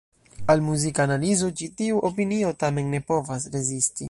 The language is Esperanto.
Al muzika analizo ĉi tiu opinio tamen ne povas rezisti.